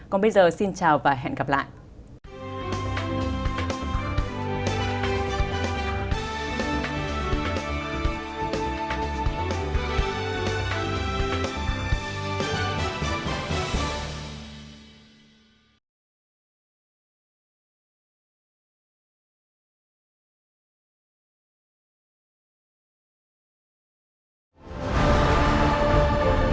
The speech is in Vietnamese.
còn bây giờ xin chào và hẹn gặp lại